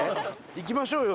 行きましょうよ